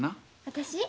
私？